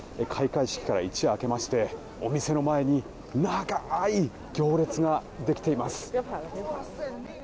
開会式から一夜明けましてお店の前に長い行列ができています。